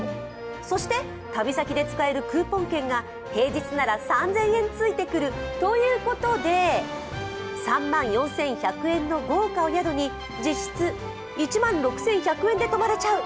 そして旅先で使えるクーポン券が平日なら３０００円ついてくるということで、３万４１００円の豪華お宿に実質１万６１００円で泊まれちゃう。